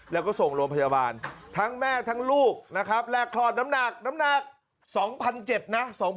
แล้วก็ส่งโรงพยาบาลทั้งแม่ทั้งลูกนะครับแรกคลอดน้ำหนักน้ำหนัก๒๗๐๐นะ